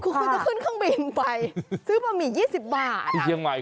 คุณจะขึ้นข้างบินไปซื้อปะหมี่๒๐บาท